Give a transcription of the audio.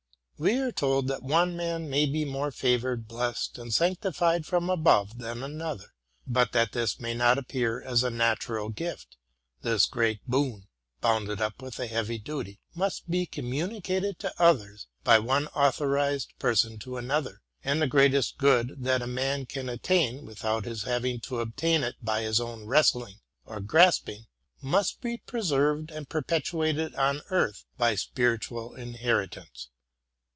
We are told that one man may be more favored, blessed, and sanctified from above than another. But, that this may not appear as a natural gift, this great boon, bound up with a heavy duty, must be communicated to others by one authorized person to another ; and the greatest good that a man can attain, without his having to obtain it by his own wrestling or grasping, must be preserved and perpetuated on earth "by spiritual inherit ance.